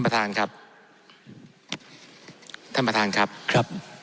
ท่านประธานครับ